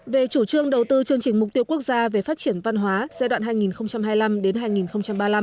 về chủ trương đầu tư chương trình mục tiêu quốc gia về phát triển văn hóa giai đoạn hai nghìn hai mươi năm hai nghìn ba mươi năm